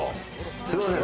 すいません。